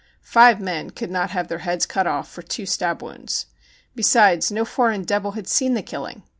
Five men could not have their heads cut off for two stab wounds. Be sides, no foreign devil had seen the killing.